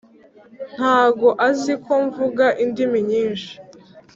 ntago aziko mvuga indimi nyinshi